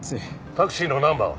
タクシーのナンバーは？